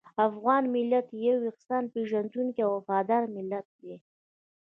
افغان ملت یو احسان پېژندونکی او وفاداره ملت دی.